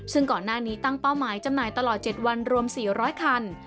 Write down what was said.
ซึ่งก่อนหน้านี้ตั้งเป้าหมายจำหน่ายตลอด๗วันรวม๔๐๐คัน